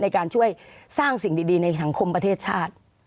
ในการช่วยสร้างสิ่งดีในสังคมประเทศชาติ